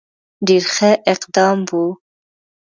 ډېر ښه اقدام وو.